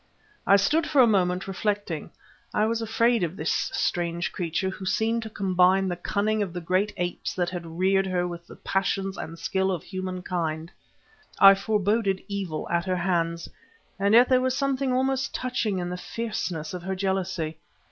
I stood for a moment reflecting. I was afraid of this strange creature who seemed to combine the cunning of the great apes that had reared her with the passions and skill of human kind. I foreboded evil at her hands. And yet there was something almost touching in the fierceness of her jealousy.